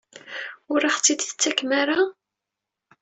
Ur aɣ-tt-id-tettakem ara?